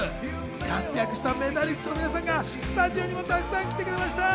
活躍したメダリストの皆さんがスタジオにもたくさん来てくれました。